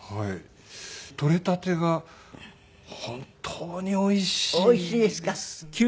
取れたてが本当においしいんですね。